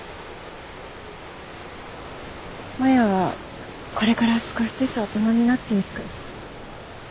マヤはこれから少しずつ大人になっていく。